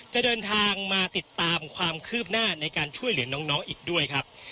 จะเดินทางมาติดตามความคืบหน้าในการช่วยเหลือน้องอีกด้วยครับ